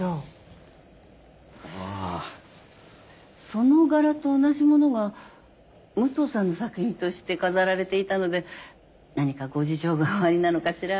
その柄と同じものが武藤さんの作品として飾られていたので何かご事情がおありなのかしらと思って。